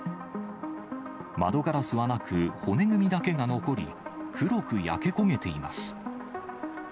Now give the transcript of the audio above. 窓ガラスはなく、骨組みだけが残り、黒く焼け焦げています。